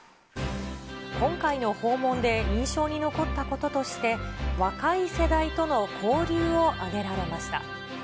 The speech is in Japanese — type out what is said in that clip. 今回の訪問で印象に残ったこととして、若い世代との交流を挙げられました。